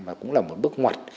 và cũng là một bước ngoặt